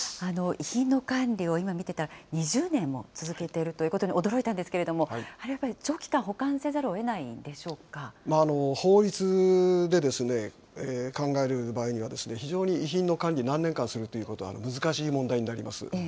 遺品の管理を今見ていたら、２０年も続けているということに驚いたんですけれども、あれはやっぱり長期間、法律で考える場合には、非常に遺品の管理、何年間するということは難しい問題になります。